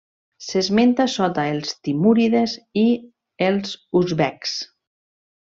S'esmenta sota els timúrides i els uzbeks.